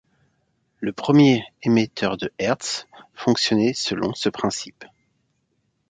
Le premier émetteur de Hertz fonctionnait selon ce principe.